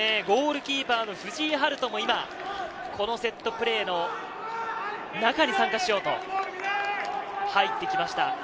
ゴールキーパーの藤井陽登も今、このセットプレーの中に参加しようと入ってきました。